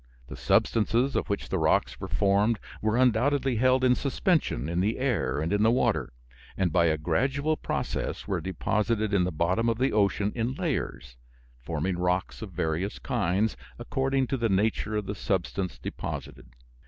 The substances of which the rocks were formed were undoubtedly held in suspension in the air and in the water, and by a gradual process were deposited in the bottom of the ocean in layers, forming rocks of various kinds, according to the nature of the substance deposited.